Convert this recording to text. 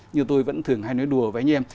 như tôi vẫn thường hay nói đùa với anh em